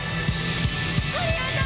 ありがとう！